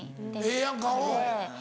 ええやんかうん。